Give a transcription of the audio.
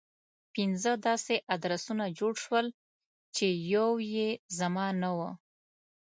پنځه داسې ادرسونه جوړ شول چې يو يې زما نه و.